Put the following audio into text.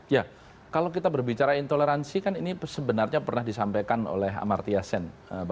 ya kalau kita berbicara intoleransi kan ini sebenarnya pernah disampaikan oleh amartya sen